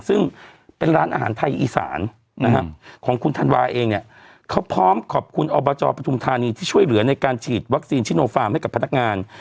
ซึ่งเป็นร้านอาหารไทยอีสานนะฮะของคุณธันวาเองเนี่ยเขาพร้อมขอบคุณอบจปฐุมธานีที่ช่วยเหลือในการฉีดวัคซีนชิโนฟาร์มให้กับพนักงาน